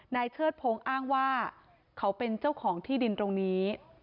เชิดพงศ์อ้างว่าเขาเป็นเจ้าของที่ดินตรงนี้